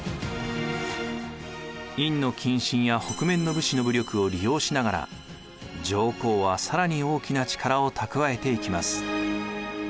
院近臣や北面の武士の武力を利用しながら上皇は更に大きな力を蓄えていきます。